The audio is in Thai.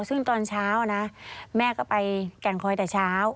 ซึ่งตอนเช้านะแม่ก็ไปแก่งคอยแต่เช้า